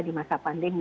di masa pandemi